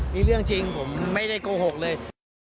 นี่เรื่องจริงผมไม่ได้โกหกเลย